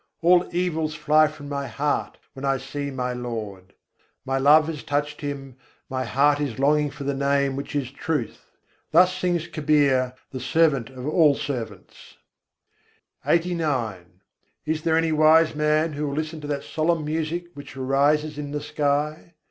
All evils fly from my heart when I see my Lord. "My love has touched Him; my heart is longing for the Name which is Truth." Thus sings Kabîr, the servant of all servants. LXXXIX I. 100. kôi s'untâ hai jñânî râg gagan men Is there any wise man who will listen to that solemn music which arises in the sky?